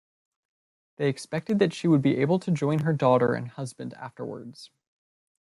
They expected that she would be able to join her daughter and husband afterwards.